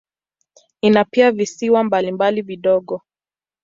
Ina pia visiwa mbalimbali vidogo.